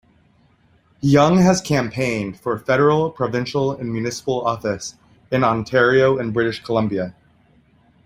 Young has campaigned for federal, provincial and municipal office in Ontario and British Columbia.